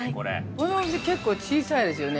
◆このお店、結構小さいですよね。